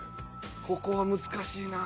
ここは難しいなぁ。